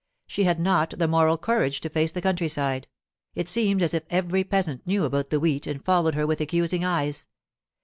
She had not the moral courage to face the countryside; it seemed as if every peasant knew about the wheat and followed her with accusing eyes.